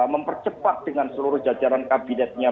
mempercepat dengan seluruh jajaran kabinetnya